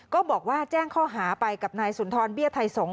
ก็บอกว่าแจ้งข้อหาไปกับนายสุนทรเบี้ยไทยสงฆ